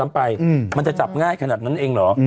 มันจะจับง่ายขนาดนั้นเองเหรอ